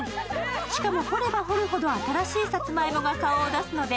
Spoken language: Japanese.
しかも掘れば掘るほど新しいさつまいもが顔を出すので、